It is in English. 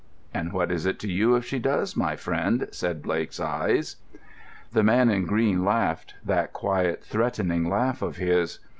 "And what is it to you if she does, my friend," said Blake's eyes. The man in green laughed, that quiet, threatening laugh of his.